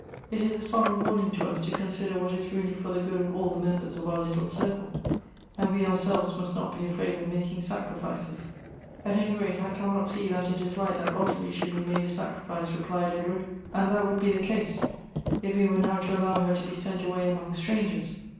It is a solemn warning to us to consider what is really for the good of all the members of our little circle — and we our selves must not be afraid of making sacrifices." '' At any rate I cannot see that it is right that Ottilie should be made a sacrifice," replied Edward ;" and that would be the case if we were now to allow her to be sent away among strangers.